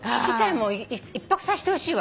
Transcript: １泊させてほしいわ。